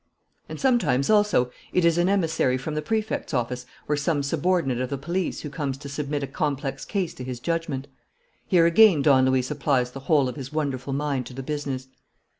And sometimes also it is an emissary from the Prefect's office or some subordinate of the police who comes to submit a complex case to his judgment. Here again Don Luis applies the whole of his wonderful mind to the business.